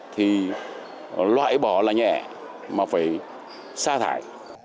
thì loại bỏ là nhẹ mà phải xa thải